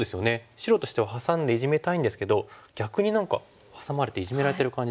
白としてはハサんでイジメたいんですけど逆に何かハサまれてイジメられてる感じですよね。